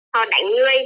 họ đánh người